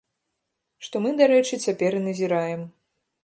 Што мы, дарэчы, цяпер і назіраем.